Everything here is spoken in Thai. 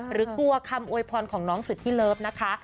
หรือกลัวคำโอยพรของน้องสุดที่เลิฟนะคะ